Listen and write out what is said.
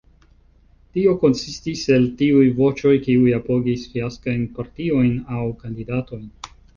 Tio konsistis el tiuj voĉoj, kiuj apogis fiaskajn partiojn, aŭ kandidatojn.